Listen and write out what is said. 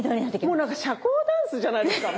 もう何か社交ダンスじゃないですか。